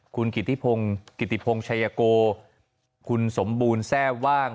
คุณกิติพงศ์กิติพงชัยโกคุณสมบูรณ์แทร่ว่าง